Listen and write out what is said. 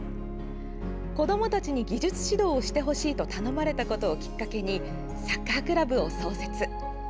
子どもたちに技術指導をしてほしいと頼まれたことをきっかけにサッカークラブを創設。